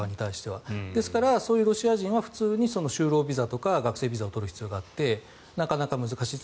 ですからそういうロシア人は就労ビザとか学生ビザを取る必要があってなかなか難しい。